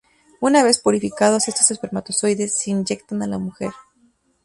Una vez purificados estos espermatozoides, se inyectan a la mujer.